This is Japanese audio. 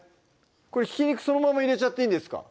これひき肉そのまま入れちゃっていいんですか？